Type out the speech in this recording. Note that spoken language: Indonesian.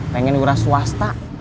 pengen wira swasta